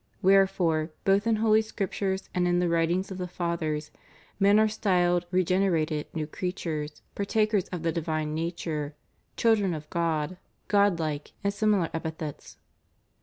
Wherefore, both in Holy Scripture and in the writings of the fathers, men are styled regenerated, new creatures, partakers of the divine nature, children of God, god like, and similar epithets.